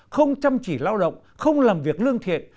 không chăm chỉ lao động không làm việc lương thiện